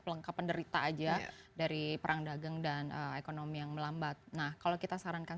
pelengkap penderita aja dari perang dagang dan ekonomi yang melambat nah kalau kita sarankan